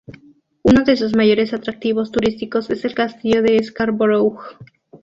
Uno de sus mayores atractivos turísticos es el castillo de Scarborough.